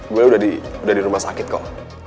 gue udah di rumah sakit kok